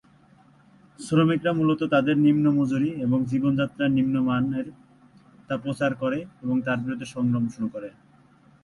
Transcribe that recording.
শ্রমিকরা মূলত তাদের নিম্ন মজুরি এবং জীবনযাত্রার নিম্ন মানের তা প্রচার করে এর বিরুদ্ধে সংগ্রাম শুরু করে।